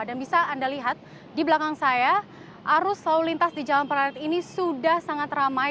dan bisa anda lihat di belakang saya arus lalu lintas di jalan pleret ini sudah sangat ramai